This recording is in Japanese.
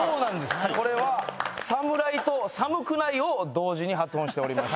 「サムライ」と「寒くない？」を同時に発音しておりました。